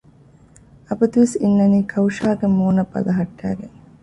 އަބަދުވެސް އިންނަނީ ކައުޝާގެ މޫނަށް ބަލަހައްޓައިގެން